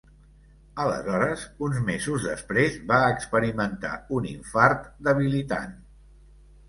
Aleshores, uns mesos després, va experimentar un infart debilitant.